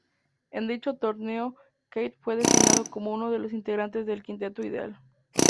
En dicho torneo, Cate fue designado como uno de los integrantes del quinteto ideal.